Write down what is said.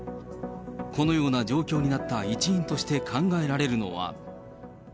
このような状況になった一因として考えられるのは。